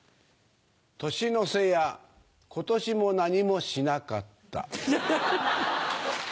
年の瀬やことしも何もしなかった。